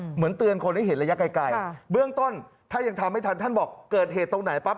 เหมือนเตือนคนให้เห็นระยะไกลเบื้องต้นถ้ายังทำไม่ทันท่านบอกเกิดเหตุตรงไหนปั๊บ